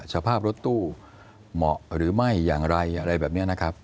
สภาพรถตู้เหมาะหรือไม่อย่างไรอะไรแบบนี้นะครับ